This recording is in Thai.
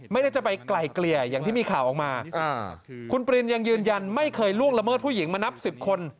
ไม่ได้จะไปไกลเกลี่ยอย่างที่มีข่าวออกมาคุณปรินยังยืนยันไม่เคยล่วงละเมิดผู้หญิงมานับสิบคน